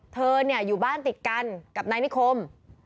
เธออยู่บ้านติดกันกับนายนิคม